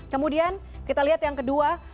kemudian kita lihat yang kedua